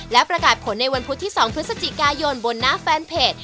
และประกาศผลในวันพุธที่๒พฤศจิกายนบนหน้าแฟนเพจ